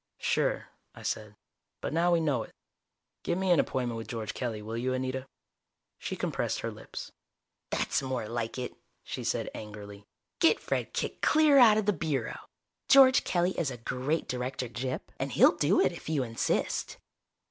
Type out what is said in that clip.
"Sure," I said. "But now we know it. Get me an appointment with George Kelly, will you, Anita?" She compressed her lips. "That's more like it!" she said angrily. "Get Fred kicked clear out of the Bureau. George Kelly is a great Director, Gyp, and he'll do it if you insist."